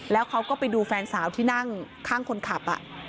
แล้วเขาก็ไปดูแฟนสาวที่นั่งข้างคนขับ